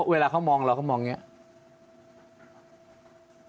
เวลาเขามองเราก็มองอย่างนี้